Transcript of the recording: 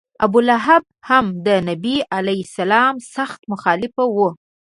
ابولهب هم د نبي علیه سلام سخت مخالف و.